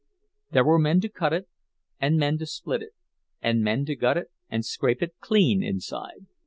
There were men to cut it, and men to split it, and men to gut it and scrape it clean inside.